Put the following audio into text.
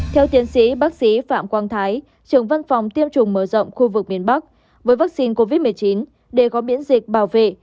theo tiến sĩ bác sĩ phạm quang thái trưởng văn phòng tiêm chủng mở rộng khu vực miền bắc với vaccine covid một mươi chín để có miễn dịch bảo vệ